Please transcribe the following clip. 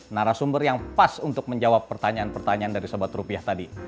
narasumber yang pas untuk menjawab pertanyaan pertanyaan dari sahabat rupiah tadi